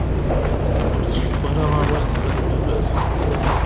Ur d-tkeffu ara awal zdat baba-s.